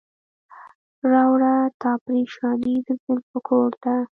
راوړه تا پریشاني د زلفو کور ته.